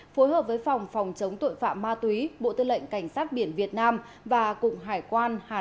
phối hợp với phòng phòng chống tội phạm ma túy bộ tư lệnh cảnh sát biển việt nam và cục hải quan hà nội